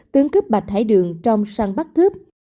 tướng cướp bạch hải đường trong săn bắc cướp